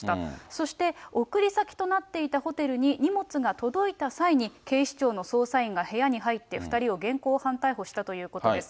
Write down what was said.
そして送り先となっていたホテルに荷物が届いた際に、警視庁の捜査員が部屋に入って、２人を現行犯逮捕したということです。